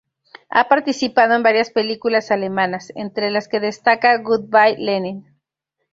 Ha participado en varias películas alemanas, entre las que destaca "Good Bye, Lenin!